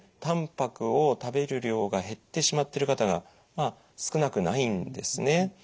たんぱくを食べる量が減ってしまってる方がまあ少なくないんですね。